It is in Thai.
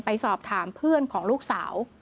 ไปสอบถามเพื่อนของลูกสาว